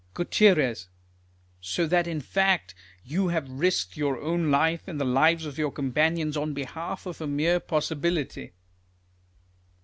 Gut So that in fact you have risked your own life, and the lives of your companions, on behalf of a mere possibility.